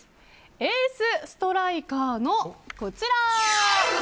エースストライカーのこちら。